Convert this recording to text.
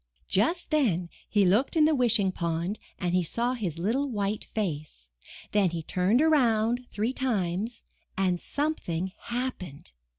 Just then he looked in the Wishing Pond and he saw his little white face. Then he turned around three times and something happened.